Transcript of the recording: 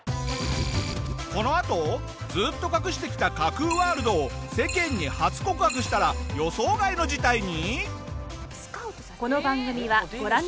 このあとずっと隠してきた架空ワールドを世間に初告白したら予想外の事態に！？